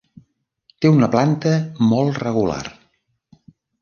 Té una planta molt regular.